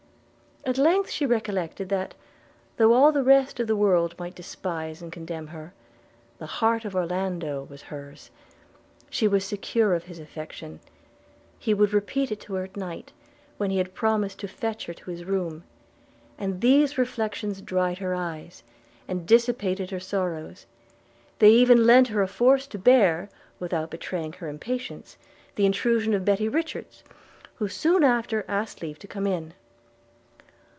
At length she recollected that, though all the rest of the world might despise and contemn her, the heart of Orlando was hers; she was secure of his affection; he would repeat it to her at night, when he had promised to fetch her to his room: and these reflections dried her eyes, and dissipated her sorrows: they even lent her force to bear, without betraying her impatience, the intrusion of Betty Richards, who soon after asked leave to come in.